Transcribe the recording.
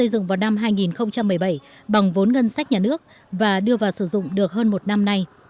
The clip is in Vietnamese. được vào năm hai nghìn một mươi bảy bằng vốn ngân sách nhà nước và đưa vào sử dụng được hơn một năm nay